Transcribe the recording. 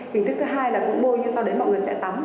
hình thức thứ hai là cũng bôi như sau đấy mọi người sẽ tắm